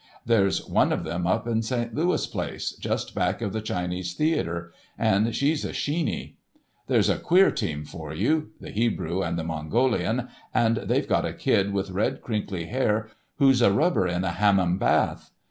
There's one of them up in St. Louis Place, just back of the Chinese theatre, and she's a Sheeny. There's a queer team for you—the Hebrew and the Mongolian—and they've got a kid with red, crinkly hair, who's a rubber in a Hammam bath.